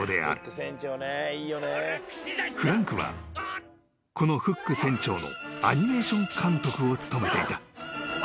［フランクはこのフック船長のアニメーション監督を務めていた］